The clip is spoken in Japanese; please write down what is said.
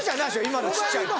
今の小っちゃいの。